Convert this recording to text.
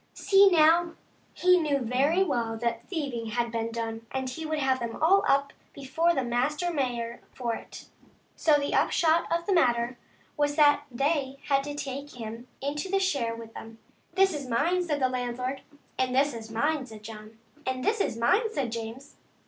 See, now, he knew very well that thieving had been done, and he would have them all up before the master mayor for it. So the upshot of the matter was that they had to take him in to share with them. " This is mine," says the landlord. " And this is mine," says John. " And this is mine," says James.